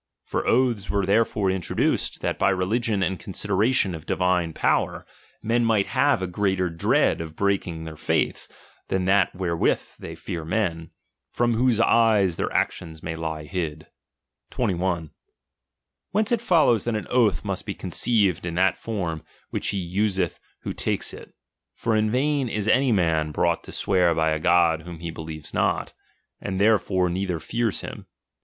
For oaths were therefore introduced, that by religion and consideration of the divine power, men might have a greater dread of breaking their faiths, than that wherewith they fear men, from whose eyes their actions may lie hid. 21. Whence it follows that an oath must bexheiwearfn conceived in that form, which he useth who takes "ii.ed in thi it ; for in vain is any man brought to swear by a f^'°^oi^i God whom he believes not, and therefore neither fears him.